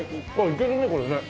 いけるねこれね。